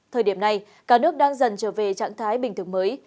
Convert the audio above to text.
thời điểm này cả nước đang dần trở về trạng thái bình thường mới